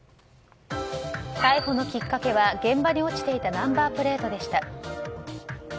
逮捕のきっかけは現場に落ちていたナンバープレートでした。